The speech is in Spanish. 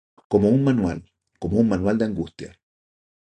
Como un manual, como un manual de angustia.